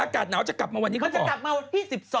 อากาศหนาวจะกลับมาวันนี้ก็พอ